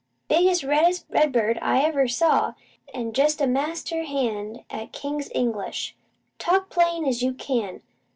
"Biggest reddest redbird I ever saw; an' jest a master hand at king's English! Talk plain as you can!